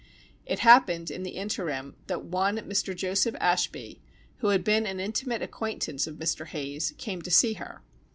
It happened, in the interim, that one Mr. Joseph Ashby, who had been an intimate acquaintance of Mr. Hayes, came to see her.